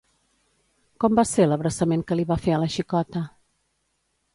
Com va ser l'abraçament que li va fer a la xicota?